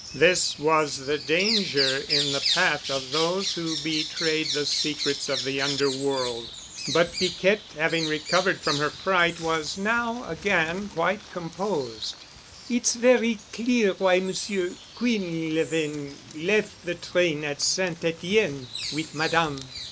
This was the danger in the path of those who betrayed the secrets of the underworld. But Piquette having recovered from her fright was now again quite composed. "It's very clear why Monsieur Quinlevin left the train at St. Etienne with Madame."